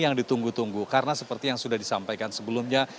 yang ditunggu tunggu karena seperti yang sudah disampaikan sebelumnya